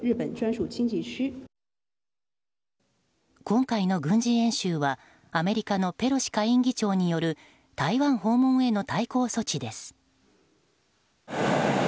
今回の軍事演習はアメリカのペロシ下院議長による台湾訪問への対抗措置です。